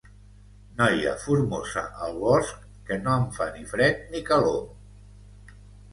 Noia formosa al bosc que no em fa ni fred ni calor.